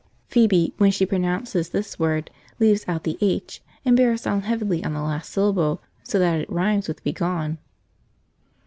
(Phoebe, when she pronounces this word, leaves out the "h" and bears down heavily on the last syllable, so that it rhymes with begone!)